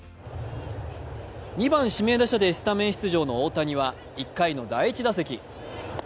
２番・指名打者でスタメン出場の大谷は１回の第１打席。